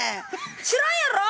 知らんやろ？